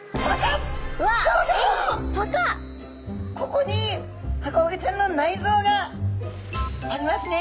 ここにハコフグちゃんの内臓がありますね。